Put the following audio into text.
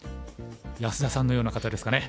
安田さんのような方ですかね？